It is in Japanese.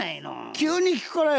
急に聞くからよ。